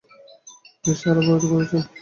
তিনি সারা ভারতে ঘুরেছেন।